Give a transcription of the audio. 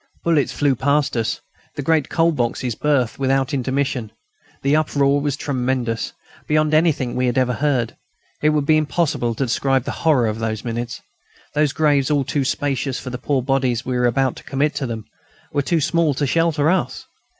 Bullets flew past us; the great "coal boxes" burst without intermission. The uproar was tremendous, beyond anything we had ever heard. It would be impossible to describe the horror of those minutes. Those graves, all too spacious for the poor bodies we were about to commit to them, were too small to shelter us.